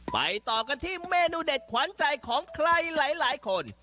ไปต่อกันที่เมนูเด็ดขวัญใจของใครหลายคน